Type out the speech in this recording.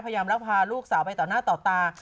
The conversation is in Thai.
พยายามลักษณ์พาลูกสาวไปต่อหน้าต่อตา